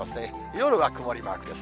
夜は曇りマークです。